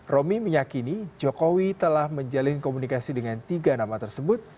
romi meyakini jokowi telah menjalin komunikasi dengan tiga nama tersebut